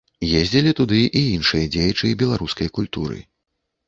Ездзілі туды і іншыя дзеячы беларускай культуры.